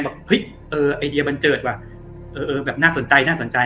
แบบเฮ้ยเออไอเดียบันเจิดว่ะเออแบบน่าสนใจน่าสนใจ